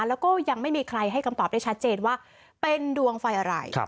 แล้วก็ยังไม่มีใครให้คำตอบได้ชัดเจนว่าเป็นดวงไฟอะไร